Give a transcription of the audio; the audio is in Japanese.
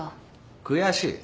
悔しい？